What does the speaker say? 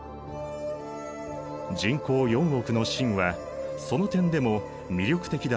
人口４億の清はその点でも魅力的だったのだ。